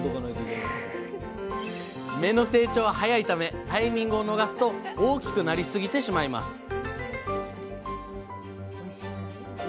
芽の成長は早いためタイミングを逃すと大きくなりすぎてしまいます